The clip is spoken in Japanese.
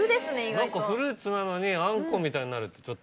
何かフルーツなのにあんこみたいになるってちょっとね。